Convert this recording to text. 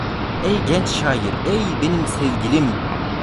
Ey genç şair, ey benim sevgilim!